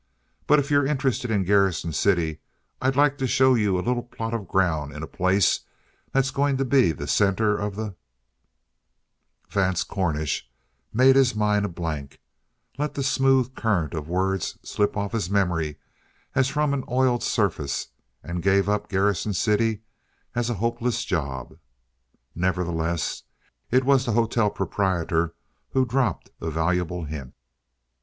But if you're interested in Garrison City, I'd like to show you a little plot of ground in a place that is going to be the center of the " Vance Cornish made his mind a blank, let the smooth current of words slip off his memory as from an oiled surface, and gave up Garrison City as a hopeless job. Nevertheless, it was the hotel proprietor who dropped a valuable hint.